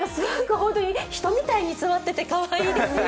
人みたいに座っててかわいいですね。